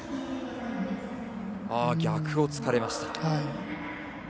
逆を突かれました。